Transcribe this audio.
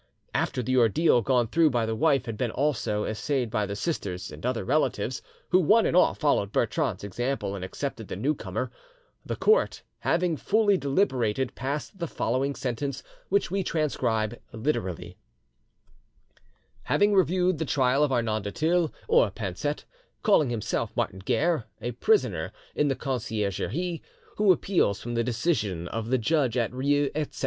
After the ordeal gone through by the wife had been also essayed by the sisters and other relatives, who one and all followed Bertrande's example and accepted the new comer, the court, having fully deliberated, passed the following sentence, which we transcribe literally: "Having reviewed the trial of Arnauld du Thill or Pansette, calling himself Martin Guerre, a prisoner in the Conciergerie, who appeals from the decision of the judge of Rieux, etc.